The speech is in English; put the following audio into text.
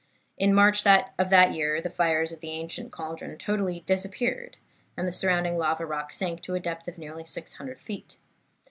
In March of that year the fires in the ancient cauldron totally disappeared, and the surrounding lava rock sank to a depth of nearly 600 feet.